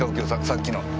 さっきの。